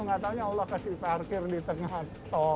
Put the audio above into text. nggak tahunya allah kasih parkir di tengah tol gitu